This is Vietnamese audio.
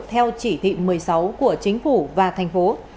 theo chỉ thị một mươi sáu của chính phủ và thành phố